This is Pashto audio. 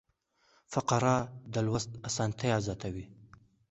فقره د لوست اسانتیا زیاتوي.